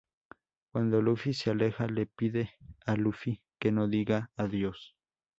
Cuando Luffy se aleja, le pide a Luffy que no diga adiós.